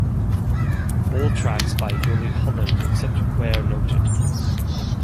All tracks by Jolie Holland except where noted.